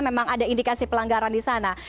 karena memang ada indikasi pelanggaran di sana